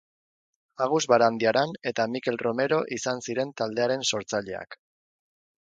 Agus Barandiaran eta Mikel Romero izan ziren taldearen sortzaileak.